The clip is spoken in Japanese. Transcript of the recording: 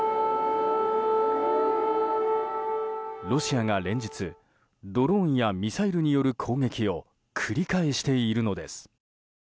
ロシアが連日ドローンやミサイルによる攻撃を繰り返しているのです。